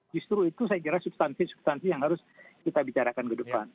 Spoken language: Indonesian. justru itu saya kira substansi substansi yang harus kita bicarakan ke depan